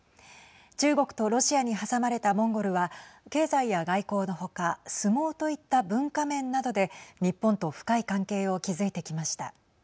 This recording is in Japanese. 中国とロシアに挟まれたモンゴルは経済や外交の他相撲といった文化面などで日本と深い関係を築いてきました。